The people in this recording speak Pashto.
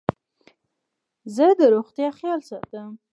زه د روغتیا خیال ساتم.